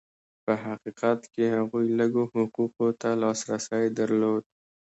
په حقیقت کې هغوی لږو حقوقو ته لاسرسی درلود.